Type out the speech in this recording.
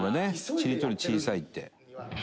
ちりとり小さいって。